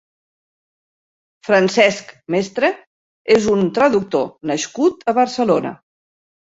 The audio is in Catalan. Francesc Mestre és un traductor nascut a Barcelona.